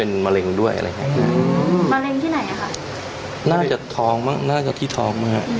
น่าจะทีทองมาก